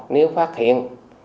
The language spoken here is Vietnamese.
nếu phát hiện